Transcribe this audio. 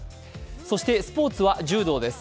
そしてスポーツは柔道です。